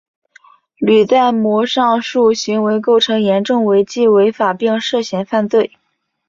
吕在模上述行为构成严重违纪违法并涉嫌犯罪。